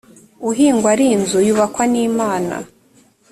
uhingwa r inzu yubakwa n imana